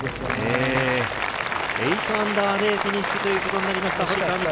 −８でフィニッシュということになりました、堀川未来